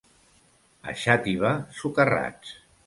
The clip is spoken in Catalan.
A Xàtiva, socarrats.